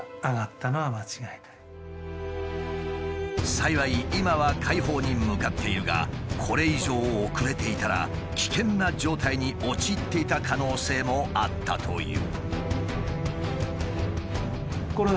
幸い今は快方に向かっているがこれ以上遅れていたら危険な状態に陥っていた可能性もあったという。